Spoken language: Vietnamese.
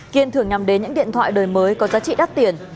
kiên thường nhằm đến những điện thoại đời mới có giá trị đắt tiền